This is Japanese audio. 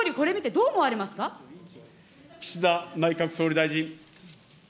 総理、岸田内閣総理大臣。